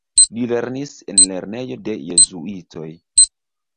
Li lernis en lernejo de jezuitoj.